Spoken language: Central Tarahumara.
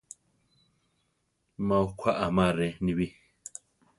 Má okwá amaré, nibí.